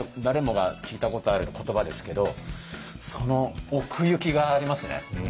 誰もが聞いたことある言葉ですけどその奥行きがありますね。